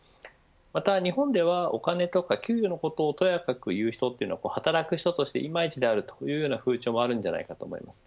また日本では、お金とか給与のことをとやかく言う人というのは働く人として、いまいちであるという風潮もあるんじゃないかなと思います。